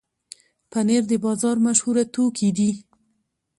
پنېر د بازار مشهوره توکي دي.